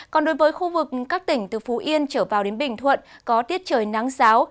còn đối với khu vực các tỉnh từ phú yên trở vào đến bình thuận có tiết trời nắng giáo